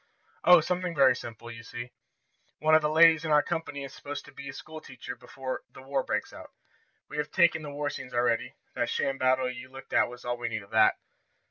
"Oh, something very simple. You see, one of the ladies in our company is supposed to be a school teacher before the war breaks out. We have taken the war scenes already that sham battle you looked at was all we need of that.